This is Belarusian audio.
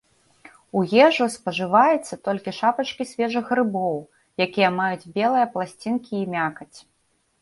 У ежу спажываецца толькі шапачкі свежых грыбоў, якія маюць белыя пласцінкі і мякаць.